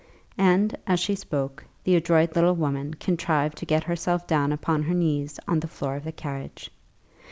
And, as she spoke, the adroit little woman contrived to get herself down upon her knees on the floor of the carriage.